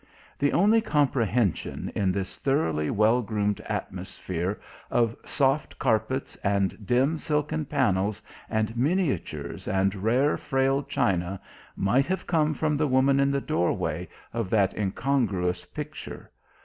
The only comprehension in this thoroughly well groomed atmosphere of soft carpets and dim silken panels and miniatures and rare frail china might have come from the woman in the doorway of that incongruous picture